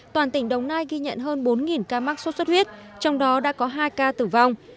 toàn tỉnh đồng nai ghi nhận hơn bốn ca mắc sốt xuất huyết trong đó đã có hai ca tử vong